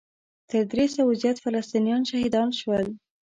تر درې سوو زیات فلسطینیان شهیدان شول.